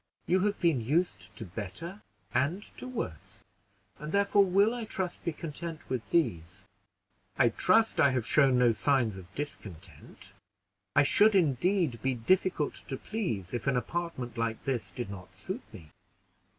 You have been used to better and to worse, and therefore will, I trust, be content with these." "I trust I have shown no signs of discontent. I should indeed be difficult to please if an apartment like this did not suit me.